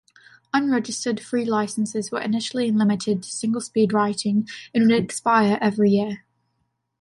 Unregistered free licenses were initially limited to single-speed writing and would expire every year.